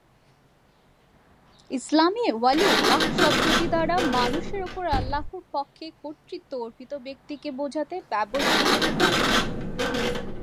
ইসলামে "ওয়ালিউল্লাহ" শব্দটি দ্বারা মানুষের ওপর আল্লাহর পক্ষে কর্তৃত্ব অর্পিত ব্যক্তিকে বোঝাতে ব্যবহৃত হতে পারে।